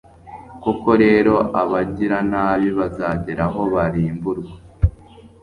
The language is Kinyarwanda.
Koko rero abagiranabi bazagera aho barimburwe